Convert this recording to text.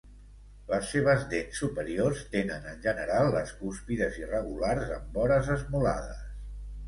Les seves dents superiors tenen en general les cúspides irregulars amb vores esmolades.